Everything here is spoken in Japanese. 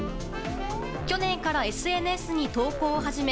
去年からＳＮＳに投稿を始め